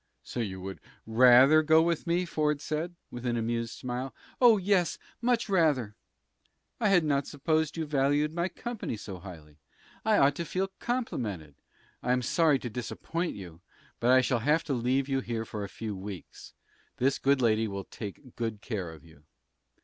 "So you would rather go with me?" Ford said, with an amused smile. "Oh, yes, much rather!" "I had not supposed you valued my company so highly. I ought to feel complimented. I am sorry to disappoint you, but I shall have to leave you here for a few weeks. This good lady will take good care of you."